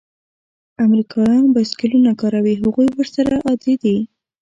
امریکایان بایسکلونه کاروي؟ هغوی ورسره عادي دي.